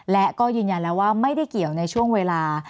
และก็ยืนยันแล้วว่าไม่ได้เกี่ยวในช่วงเวลา